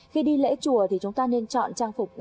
khi đi lễ chùa thì chúng ta nên chọn trang phục